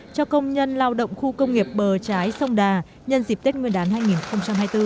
cho công nhân lao động khu công nghiệp bờ trái sông đà nhân dịp tết nguyên đán hai nghìn hai mươi bốn